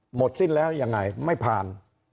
หมดสิ้นแล้วยังไงไม่ผ่าน